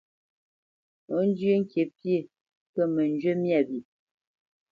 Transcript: Ó zhyə́ ŋkǐ pyé, kə mə njyé myâ wyê.